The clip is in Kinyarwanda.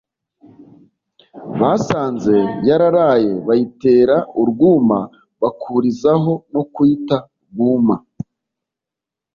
basanze yararaye bayitera urwuma bakurizaho no kuyita “Rwuma”